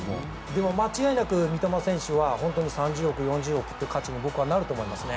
間違いなく三笘選手は３０億、４０億という価値に僕はなると思いますね。